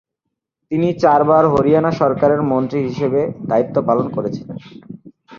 তিনি চারবার হরিয়ানা সরকারের মন্ত্রী হিসেবে দায়িত্ব পালন করেছিলেন।